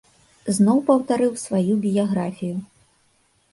Зноў паўтарыў сваю біяграфію.